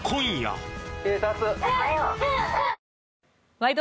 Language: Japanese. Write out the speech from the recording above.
「ワイド！